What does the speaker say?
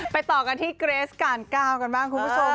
ต่อกันที่เกรสการ๙กันบ้างคุณผู้ชม